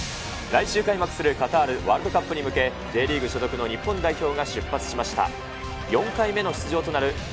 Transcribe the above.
来週開幕するカタールワールドカップに向け、Ｊリーグ所属の日本代表が出発しました。